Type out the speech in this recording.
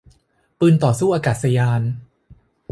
ปืนต่อสู้อากาศยาน